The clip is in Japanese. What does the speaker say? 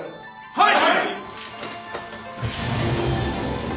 はい！